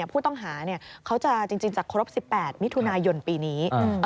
ผู้ต้องหาเขาจะจริงจะครบ๑๘มิถุนายนปีนี้